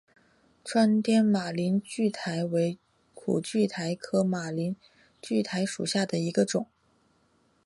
川滇马铃苣苔为苦苣苔科马铃苣苔属下的一个种。